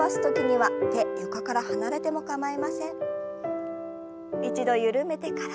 はい。